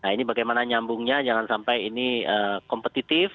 nah ini bagaimana nyambungnya jangan sampai ini kompetitif